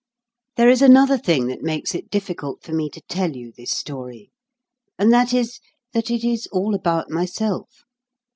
There is another thing that makes it difficult for me to tell you this story, and that is, that it is all about myself.